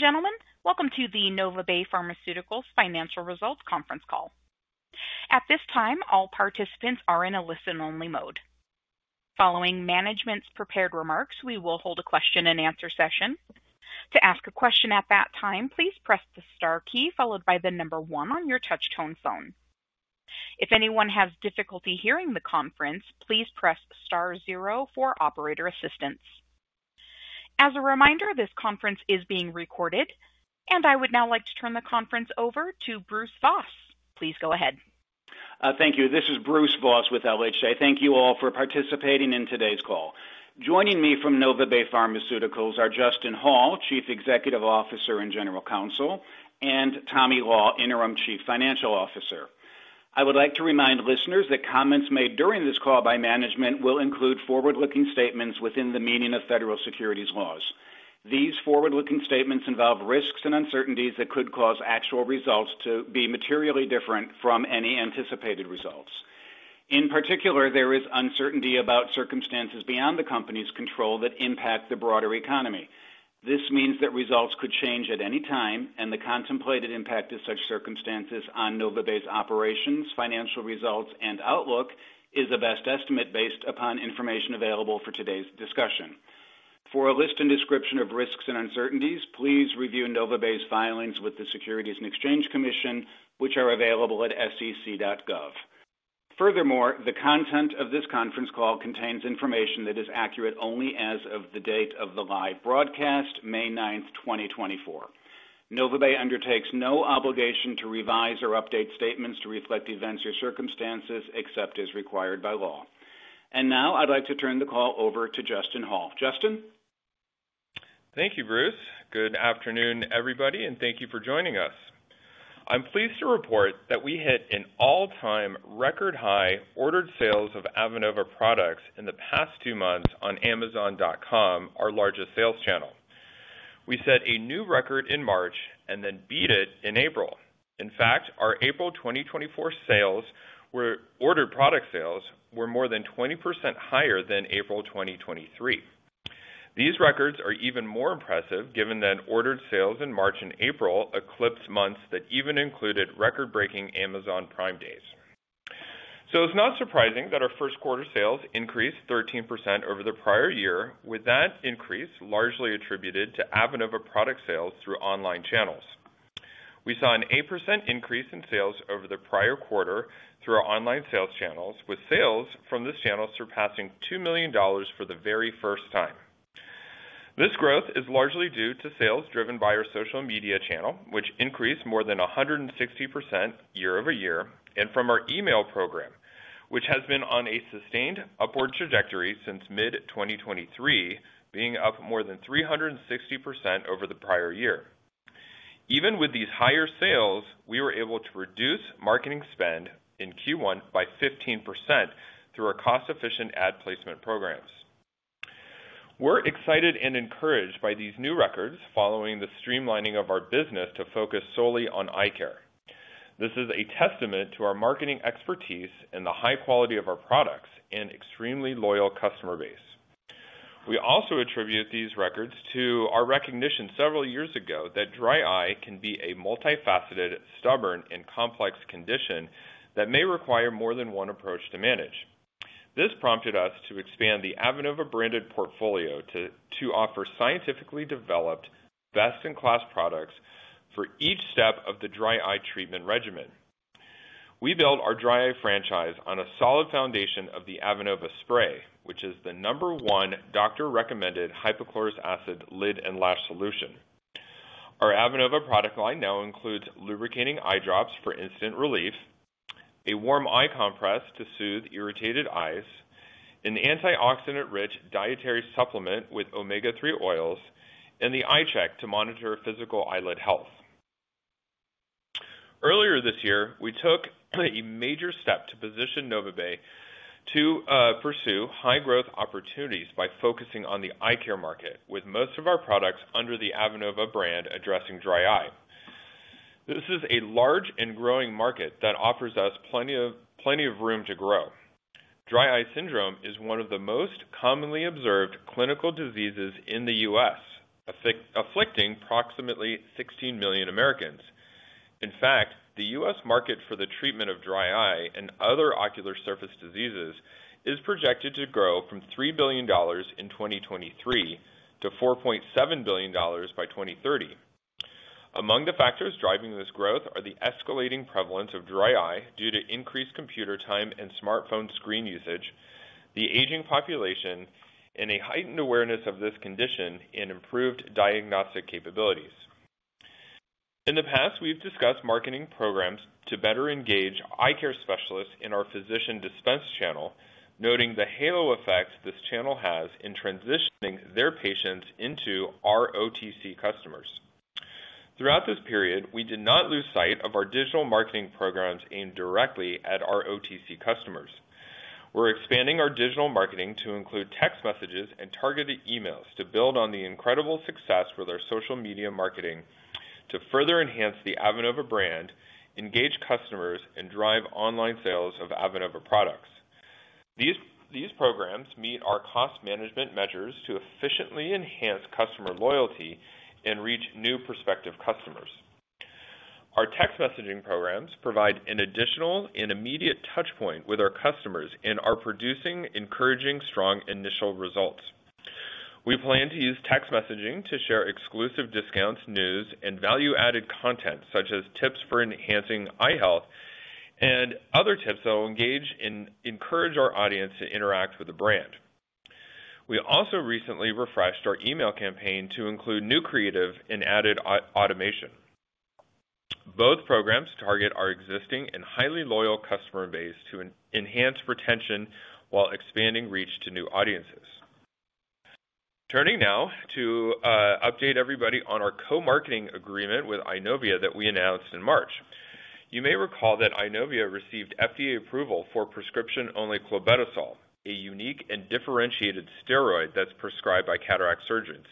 Ladies and gentlemen, welcome to the NovaBay Pharmaceuticals Financial Results conference call. At this time, all participants are in a listen-only mode. Following management's prepared remarks, we will hold a question and answer session. To ask a question at that time, please press the star key followed by the number one on your touchtone phone. If anyone has difficulty hearing the conference, please press star zero for operator assistance. As a reminder, this conference is being recorded, and I would now like to turn the conference over to Bruce Voss. Please go ahead. Thank you. This is Bruce Voss with LHA. Thank you all for participating in today's call. Joining me from NovaBay Pharmaceuticals are Justin Hall, Chief Executive Officer and General Counsel, and Tommy Law, Interim Chief Financial Officer. I would like to remind listeners that comments made during this call by management will include forward-looking statements within the meaning of federal securities laws. These forward-looking statements involve risks and uncertainties that could cause actual results to be materially different from any anticipated results. In particular, there is uncertainty about circumstances beyond the company's control that impact the broader economy. This means that results could change at any time, and the contemplated impact of such circumstances on NovaBay's operations, financial results, and outlook is a best estimate based upon information available for today's discussion. For a list and description of risks and uncertainties, please review NovaBay's filings with the Securities and Exchange Commission, which are available at sec.gov. Furthermore, the content of this conference call contains information that is accurate only as of the date of the live broadcast, May 9, 2024. NovaBay undertakes no obligation to revise or update statements to reflect events or circumstances except as required by law. Now I'd like to turn the call over to Justin Hall. Justin? Thank you, Bruce. Good afternoon, everybody, and thank you for joining us. I'm pleased to report that we hit an all-time record high ordered sales of Avenova products in the past two months on Amazon.com, our largest sales channel. We set a new record in March and then beat it in April. In fact, our April 2024 ordered product sales were more than 20% higher than April 2023. These records are even more impressive, given that ordered sales in March and April eclipsed months that even included record-breaking Amazon Prime Days. So it's not surprising that our first quarter sales increased 13% over the prior year, with that increase largely attributed to Avenova product sales through online channels. We saw an 8% increase in sales over the prior quarter through our online sales channels, with sales from this channel surpassing $2 million for the very first time. This growth is largely due to sales driven by our social media channel, which increased more than 160% year over year, and from our email program, which has been on a sustained upward trajectory since mid-2023, being up more than 360% over the prior year. Even with these higher sales, we were able to reduce marketing spend in Q1 by 15% through our cost-efficient ad placement programs. We're excited and encouraged by these new records following the streamlining of our business to focus solely on eye care. This is a testament to our marketing expertise and the high quality of our products and extremely loyal customer base. We also attribute these records to our recognition several years ago that dry eye can be a multifaceted, stubborn, and complex condition that may require more than one approach to manage. This prompted us to expand the Avenova branded portfolio to offer scientifically developed, best-in-class products for each step of the dry eye treatment regimen. We built our dry eye franchise on a solid foundation of the Avenova spray, which is the number one doctor-recommended hypochlorous acid lid and lash solution. Our Avenova product line now includes lubricating eye drops for instant relief, a warm eye compress to soothe irritated eyes, an antioxidant-rich dietary supplement with omega-3 oils, and the i-Check to monitor physical eyelid health. Earlier this year, we took a major step to position NovaBay to pursue high-growth opportunities by focusing on the eye care market, with most of our products under the Avenova brand addressing dry eye. This is a large and growing market that offers us plenty of, plenty of room to grow. Dry eye syndrome is one of the most commonly observed clinical diseases in the U.S., afflicting approximately 16 million Americans. In fact, the U.S. market for the treatment of dry eye and other ocular surface diseases is projected to grow from $3 billion in 2023 to $4.7 billion by 2030. Among the factors driving this growth are the escalating prevalence of dry eye due to increased computer time and smartphone screen usage, the aging population, and a heightened awareness of this condition and improved diagnostic capabilities. In the past, we've discussed marketing programs to better engage eye care specialists in our physician dispense channel, noting the halo effect this channel has in transitioning their patients into our OTC customers. Throughout this period, we did not lose sight of our digital marketing programs aimed directly at our OTC customers. We're expanding our digital marketing to include text messages and targeted emails to build on the incredible success with our social media marketing to further enhance the Avenova brand, engage customers, and drive online sales of Avenova products.... These, these programs meet our cost management measures to efficiently enhance customer loyalty and reach new prospective customers. Our text messaging programs provide an additional and immediate touch point with our customers and are producing encouraging, strong initial results. We plan to use text messaging to share exclusive discounts, news, and value-added content, such as tips for enhancing eye health and other tips that will engage and encourage our audience to interact with the brand. We also recently refreshed our email campaign to include new creative and added automation. Both programs target our existing and highly loyal customer base to enhance retention while expanding reach to new audiences. Turning now to update everybody on our co-marketing agreement with Eyenovia that we announced in March. You may recall that Eyenovia received FDA approval for prescription-only clobetasol, a unique and differentiated steroid that's prescribed by cataract surgeons.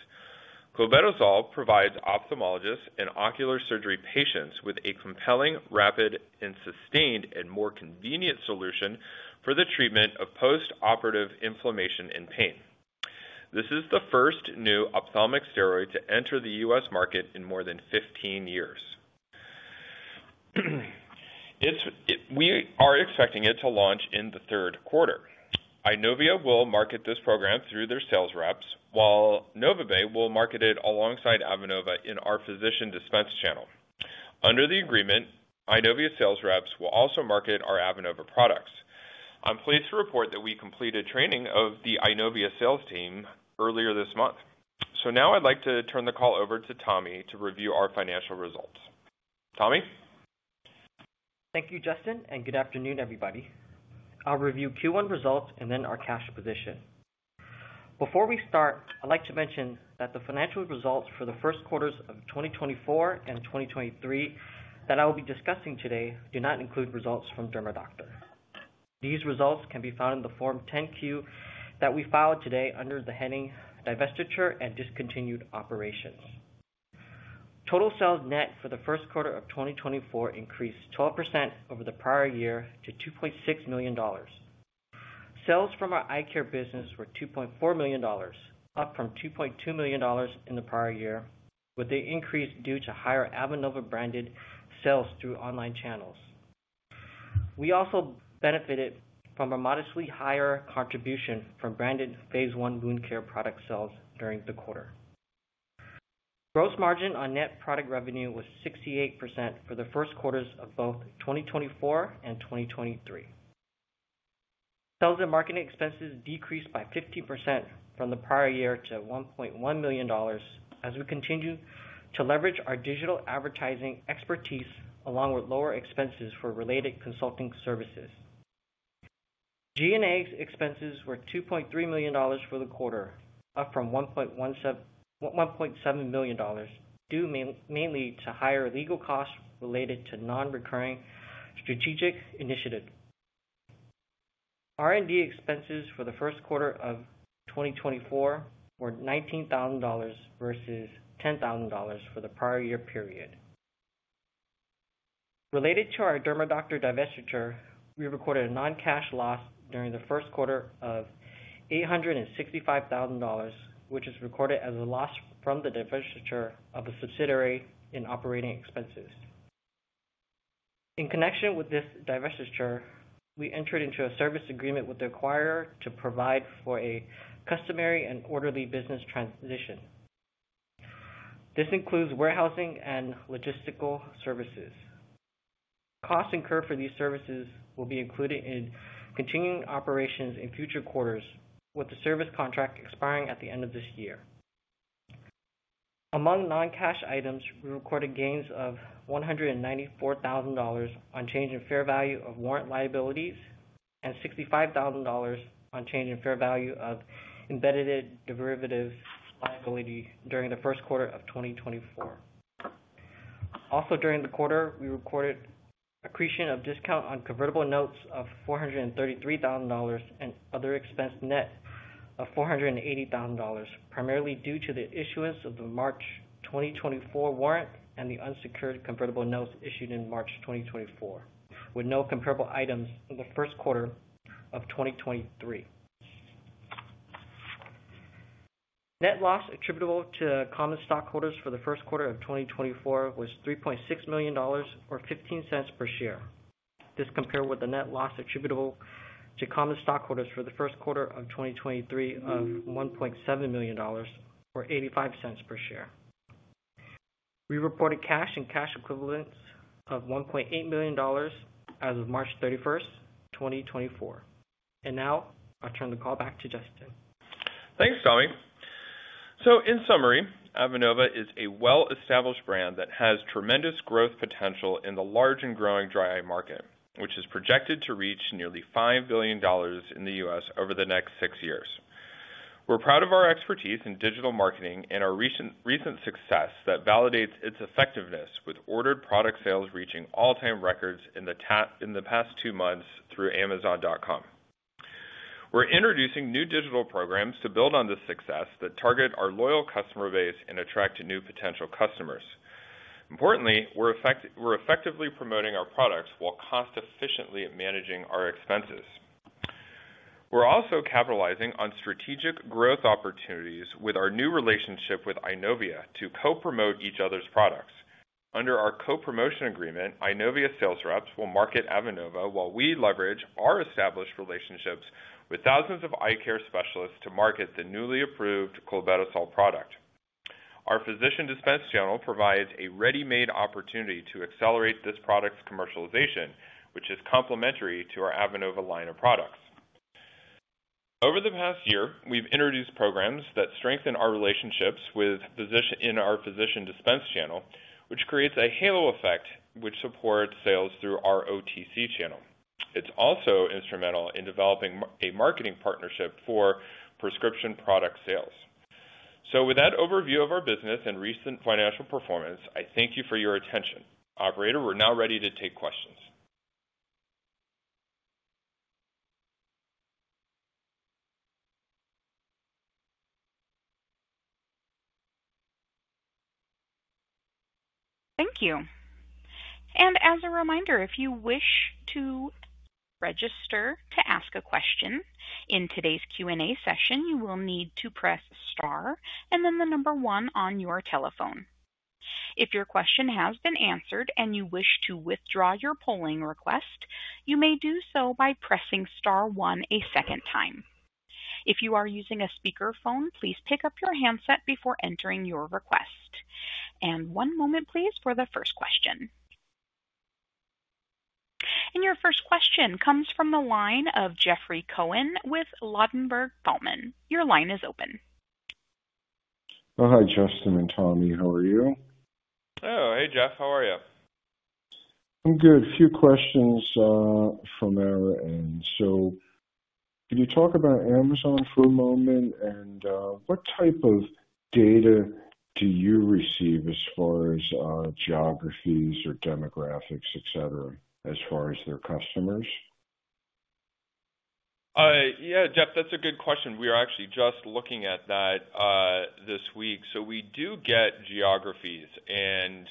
Clobetasol provides ophthalmologists and ocular surgery patients with a compelling, rapid, and sustained, and more convenient solution for the treatment of postoperative inflammation and pain. This is the first new ophthalmic steroid to enter the U.S. market in more than 15 years. We are expecting it to launch in the third quarter. Eyenovia will market this program through their sales reps, while NovaBay will market it alongside Avenova in our physician dispense channel. Under the agreement, Eyenovia sales reps will also market our Avenova products. I'm pleased to report that we completed training of the Eyenovia sales team earlier this month. So now I'd like to turn the call over to Tommy to review our financial results. Tommy? Thank you, Justin, and good afternoon, everybody. I'll review Q1 results and then our cash position. Before we start, I'd like to mention that the financial results for the first quarters of 2024 and 2023 that I will be discussing today, do not include results from DERMAdoctor. These results can be found in the Form 10-Q that we filed today under the heading Divestiture and Discontinued Operations. Total sales net for the first quarter of 2024 increased 12% over the prior year to $2.6 million. Sales from our eye care business were $2.4 million, up from $2.2 million in the prior year, with the increase due to higher Avenova branded sales through online channels. We also benefited from a modestly higher contribution from branded phase I wound care product sales during the quarter. Gross margin on net product revenue was 68% for the first quarters of both 2024 and 2023. Sales and marketing expenses decreased by 15% from the prior year to $1.1 million, as we continue to leverage our digital advertising expertise along with lower expenses for related consulting services. G&A expenses were $2.3 million for the quarter, up from $1.7 million, mainly due to higher legal costs related to non-recurring strategic initiatives. R&D expenses for the first quarter of 2024 were $19,000 versus $10,000 for the prior year period. Related to our DERMAdoctor divestiture, we recorded a non-cash loss during the first quarter of $865,000, which is recorded as a loss from the divestiture of a subsidiary in operating expenses. In connection with this divestiture, we entered into a service agreement with the acquirer to provide for a customary and orderly business transition. This includes warehousing and logistical services. Costs incurred for these services will be included in continuing operations in future quarters, with the service contract expiring at the end of this year. Among non-cash items, we recorded gains of $194,000 on change in fair value of warrant liabilities, and $65,000 on change in fair value of embedded derivatives liability during the first quarter of 2024. Also, during the quarter, we recorded accretion of discount on convertible notes of $433,000, and other expense net of $480,000, primarily due to the issuance of the March 2024 warrant and the unsecured convertible notes issued in March 2024, with no comparable items in the first quarter of 2023. Net loss attributable to common stockholders for the first quarter of 2024 was $3.6 million, or $0.15 per share. This compared with the net loss attributable to common stockholders for the first quarter of 2023 of $1.7 million, or $0.85 per share. We reported cash and cash equivalents of $1.8 million as of March 31, 2024. And now I'll turn the call back to Justin. Thanks, Tommy. So in summary, Avenova is a well-established brand that has tremendous growth potential in the large and growing dry eye market, which is projected to reach nearly $5 billion in the US over the next six years. We're proud of our expertise in digital marketing and our recent success that validates its effectiveness with ordered product sales reaching all-time records in the past two months through Amazon.com. We're introducing new digital programs to build on this success that target our loyal customer base and attract new potential customers. Importantly, we're effectively promoting our products while cost efficiently managing our expenses. We're also capitalizing on strategic growth opportunities with our new relationship with Eyenovia to co-promote each other's products. Under our co-promotion agreement, NovaBay sales reps will market Avenova while we leverage our established relationships with thousands of eye care specialists to market the newly approved clobetasol product. Our physician dispense channel provides a ready-made opportunity to accelerate this product's commercialization, which is complementary to our Avenova line of products. Over the past year, we've introduced programs that strengthen our relationships with physicians in our physician dispense channel, which creates a halo effect, which supports sales through our OTC channel. It's also instrumental in developing a marketing partnership for prescription product sales. So with that overview of our business and recent financial performance, I thank you for your attention. Operator, we're now ready to take questions. Thank you. As a reminder, if you wish to register to ask a question in today's Q&A session, you will need to press star and then the number one on your telephone. If your question has been answered and you wish to withdraw your polling request, you may do so by pressing star one a second time. If you are using a speakerphone, please pick up your handset before entering your request. One moment, please, for the first question. Your first question comes from the line of Jeffrey Cohen with Ladenburg Thalmann. Your line is open. Oh, hi, Justin and Tommy. How are you? Oh, hey, Jeff. How are you? I'm good. A few questions from our end. So can you talk about Amazon for a moment? And what type of data do you receive as far as geographies or demographics, et cetera, as far as their customers? Yeah, Jeff, that's a good question. We are actually just looking at that, this week. So we do get geographies and,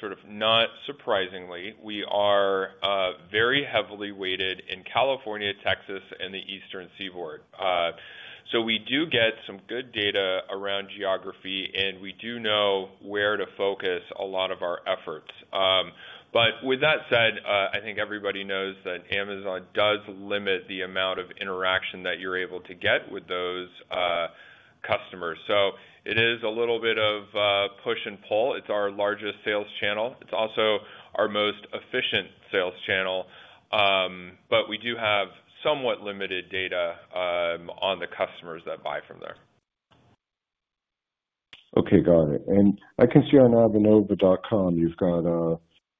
sort of not surprisingly, we are very heavily weighted in California, Texas, and the Eastern Seaboard. So we do get some good data around geography, and we do know where to focus a lot of our efforts. But with that said, I think everybody knows that Amazon does limit the amount of interaction that you're able to get with those, customers. So it is a little bit of, push and pull. It's our largest sales channel. It's also our most efficient sales channel, but we do have somewhat limited data, on the customers that buy from there. Okay, got it. I can see on Avenova.com, you've got,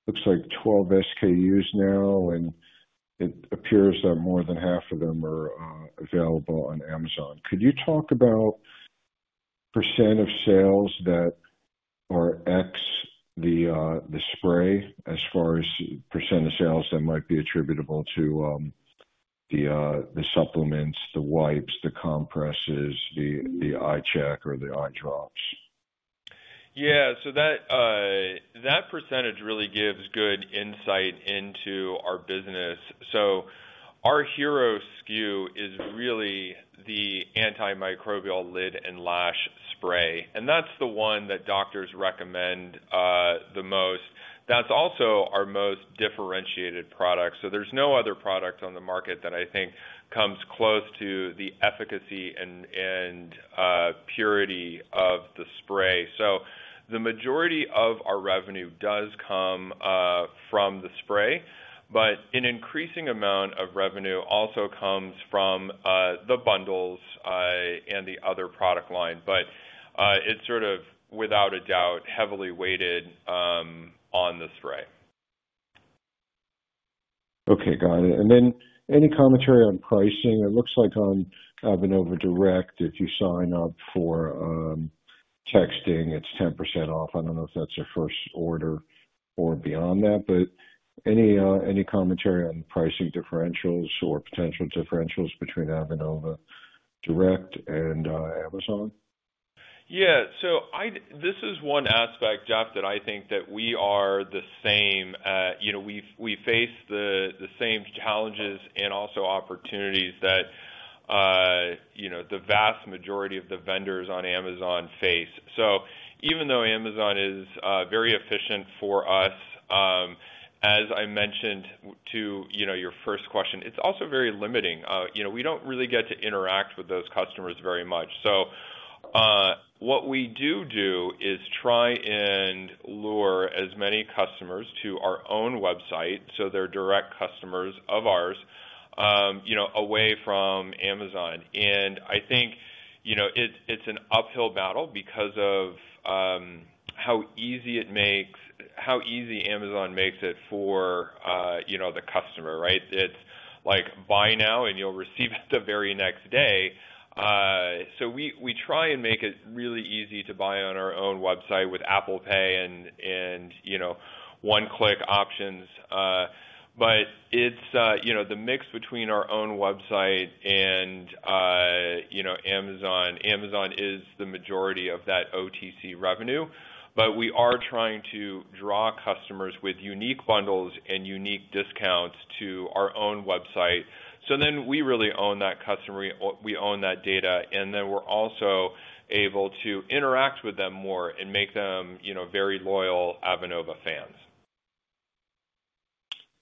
looks like 12 SKUs now, and it appears that more than half of them are available on Amazon. Could you talk about % of sales that are X, the, the spray, as far as % of sales that might be attributable to, the, the supplements, the wipes, the compresses, the, the iCheck or the eye drops? Yeah. So that, that percentage really gives good insight into our business. So our hero SKU is really the antimicrobial lid and lash spray, and that's the one that doctors recommend, the most. That's also our most differentiated product. So there's no other product on the market that I think comes close to the efficacy and, purity of the spray. So the majority of our revenue does come, from the spray, but an increasing amount of revenue also comes from, the bundles, and the other product line. But, it's sort of, without a doubt, heavily weighted, on the spray. Okay, got it. And then any commentary on pricing? It looks like on Avenova Direct, if you sign up for texting, it's 10% off. I don't know if that's your first order or beyond that, but any commentary on pricing differentials or potential differentials between Avenova Direct and Amazon? Yeah. So this is one aspect, Jeff, that I think that we are the same. You know, we face the same challenges and also opportunities that, you know, the vast majority of the vendors on Amazon face. So even though Amazon is very efficient for us, as I mentioned to, you know, your first question, it's also very limiting. You know, we don't really get to interact with those customers very much. So, what we do is try and lure as many customers to our own website, so they're direct customers of ours, you know, away from Amazon. And I think, you know, it's an uphill battle because of how easy Amazon makes it for, you know, the customer, right? It's like, buy now, and you'll receive it the very next day. So we, we try and make it really easy to buy on our own website with Apple Pay and, you know, one-click options. But it's, you know, the mix between our own website and, you know, Amazon. Amazon is the majority of that OTC revenue, but we are trying to draw customers with unique bundles and unique discounts to our own website. So then we really own that customer, we, we own that data, and then we're also able to interact with them more and make them, you know, very loyal Avenova fans.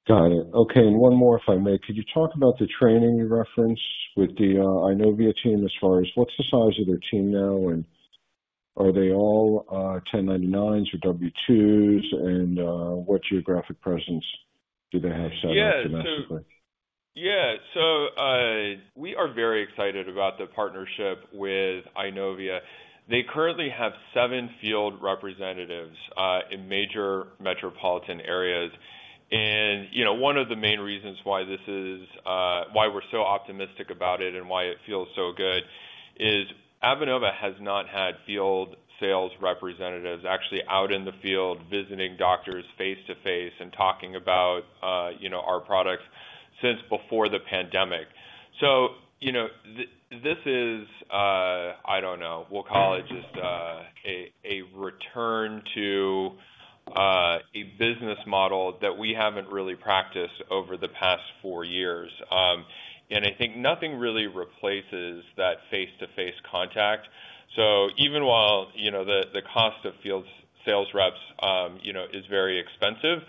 Got it. Okay, and one more, if I may. Could you talk about the training you referenced with the Eyenovia team as far as what's the size of their team now, and are they all 1099s or W-2s? And what geographic presence do they have set up domestically? Yeah, so, yeah. So, we are very excited about the partnership with Eyenovia. They currently have seven field representatives in major metropolitan areas. And, you know, one of the main reasons why this is why we're so optimistic about it and why it feels so good is Avenova has not had field sales representatives actually out in the field, visiting doctors face-to-face and talking about, you know, our products since before the pandemic. So, you know, this is, I don't know, we'll call it just a return to a business model that we haven't really practiced over the past 4 years. And I think nothing really replaces that face-to-face contact. So even while, you know, the cost of field sales reps, you know, is very expensive,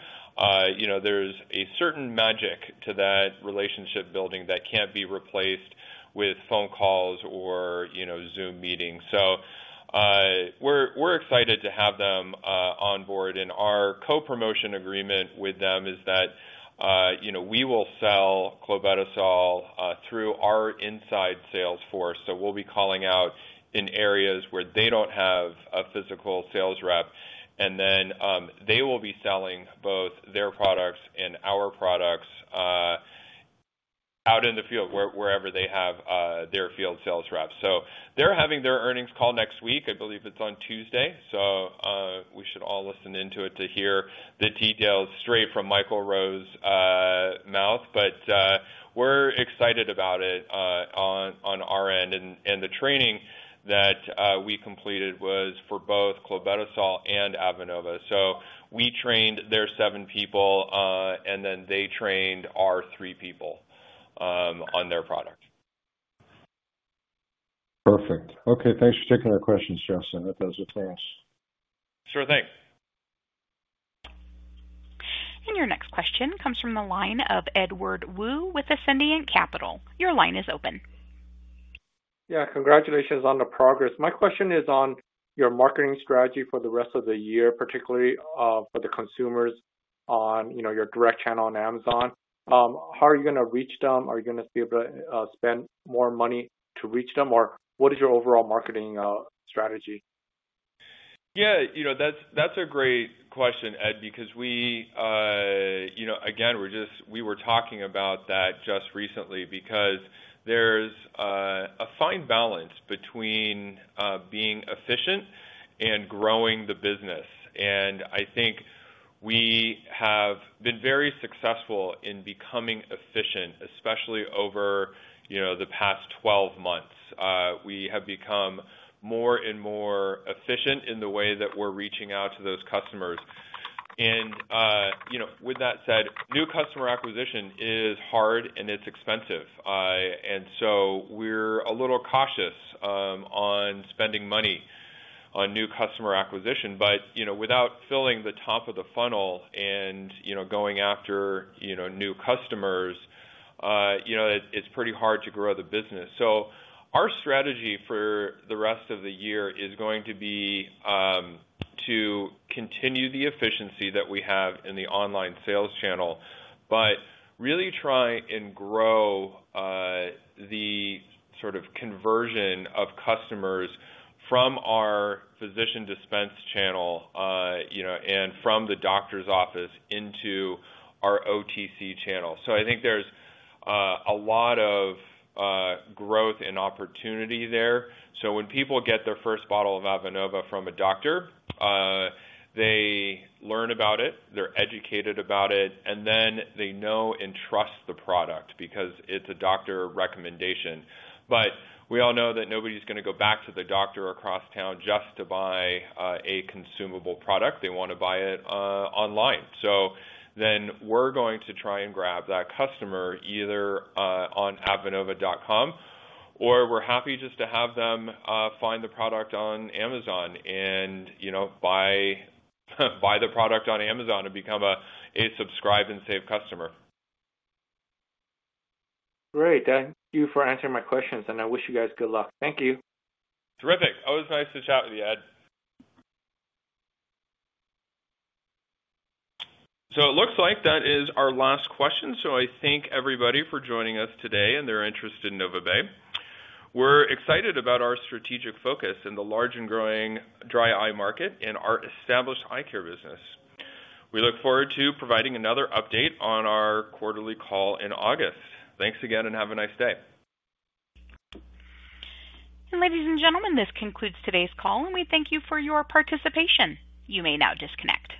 you know, there's a certain magic to that relationship building that can't be replaced with phone calls or, you know, Zoom meetings. So, we're excited to have them on board, and our co-promotion agreement with them is that, you know, we will sell clobetasol through our inside sales force. So we'll be calling out in areas where they don't have a physical sales rep, and then, they will be selling both their products and our products out in the field wherever they have their field sales reps. So they're having their earnings call next week. I believe it's on Tuesday, so, we should all listen into it to hear the details straight from Michael Rowe's mouth. But, we're excited about it, on our end. The training that we completed was for both clobetasol and Avenova. We trained their seven people, and then they trained our three people, on their product. Perfect. Okay, thanks for taking our questions, Justin. That does it for us. Sure thing. Your next question comes from the line of Edward Woo with Ascendiant Capital. Your line is open. Yeah, congratulations on the progress. My question is on your marketing strategy for the rest of the year, particularly, for the consumers on, you know, your direct channel on Amazon. How are you gonna reach them? Are you gonna be able to spend more money to reach them, or what is your overall marketing strategy? Yeah, you know, that's a great question, Ed, because we, you know, again, we're just—we were talking about that just recently because there's a fine balance between being efficient and growing the business. And I think we have been very successful in becoming efficient, especially over, you know, the past 12 months. We have become more and more efficient in the way that we're reaching out to those customers. And, you know, with that said, new customer acquisition is hard and it's expensive. And so we're a little cautious on spending money on new customer acquisition. But, you know, without filling the top of the funnel and, you know, going after, you know, new customers, you know, it's pretty hard to grow the business. So our strategy for the rest of the year is going to be to continue the efficiency that we have in the online sales channel, but really try and grow the sort of conversion of customers from our physician dispense channel, you know, and from the doctor's office into our OTC channel. So I think there's a lot of growth and opportunity there. So when people get their first bottle of Avenova from a doctor, they learn about it, they're educated about it, and then they know and trust the product because it's a doctor recommendation. But we all know that nobody's gonna go back to the doctor across town just to buy a consumable product. They wanna buy it online. So then we're going to try and grab that customer either on Avenova.com, or we're happy just to have them find the product on Amazon and, you know, buy, buy the product on Amazon and become aSubscribe & Savecustomer. Great. Thank you for answering my questions, and I wish you guys good luck. Thank you. Terrific. Always nice to chat with you, Ed. So it looks like that is our last question. So I thank everybody for joining us today and their interest in NovaBay. We're excited about our strategic focus in the large and growing dry eye market and our established eye care business. We look forward to providing another update on our quarterly call in August. Thanks again, and have a nice day. Ladies and gentlemen, this concludes today's call, and we thank you for your participation. You may now disconnect.